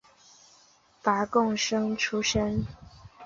拔贡生出身。